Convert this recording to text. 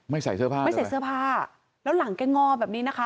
ไม่ใส่เสื้อผ้าแล้วหลังแก่งอแบบนี้นะคะ